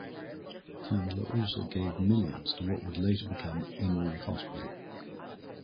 Candler also gave millions to what would later become Emory Hospital.